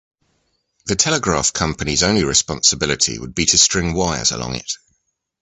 The telegraph company's only responsibility would be to string wires along it.